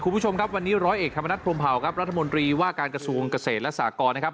คุณผู้ชมครับวันนี้ร้อยเอกธรรมนัฐพรมเผาครับรัฐมนตรีว่าการกระทรวงเกษตรและสากรนะครับ